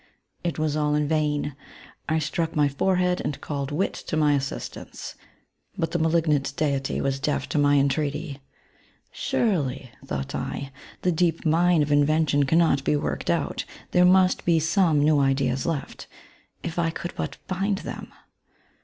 It was all in vain ! I struck my forehead and called Wit to my assistance, but the malignant deity was deaf to my entreaty. " Surely,'* thought I, " the deep mine of inven tion cannot be worked out ; there must be some new ideas left, if I could but find them.'